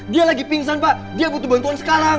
dia lagi pingsan pak dia butuh bantuan sekarang